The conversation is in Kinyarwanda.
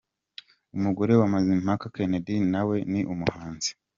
Umugore wa Mazimpaka Kennedy na we ni umuhanzi.